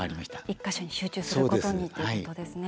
１か所に集中することにということですね。